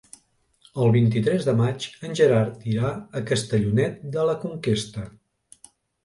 El vint-i-tres de maig en Gerard irà a Castellonet de la Conquesta.